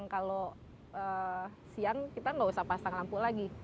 kalau siang kita nggak usah pasang lampu lagi